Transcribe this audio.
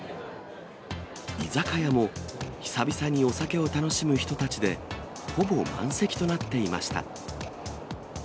居酒屋も久々にお酒を楽しむ人たちで、ほぼ満席となっていました。